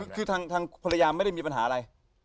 คือทางภรรยาไม่ได้มีปัญหาอะไร